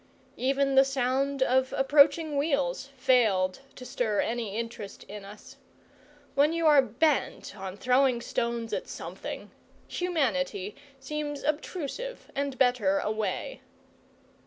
Even the sound of approaching wheels failed to stir any interest in us. When you are bent on throwing stones at something, humanity seems obtrusive and better away.